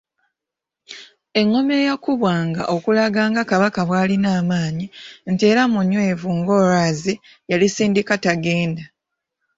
Engoma eyakubwanga okulaga nga Kabaka bw’alina amaanyi nti era munywevu ng’olwazi yali Nsindikatagenda.]